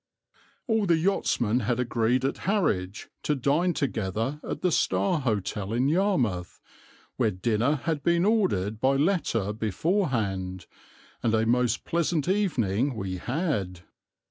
All the yachtsmen had agreed at Harwich to dine together at the Star Hotel at Yarmouth, where dinner had been ordered by letter beforehand, and a most pleasant evening we had.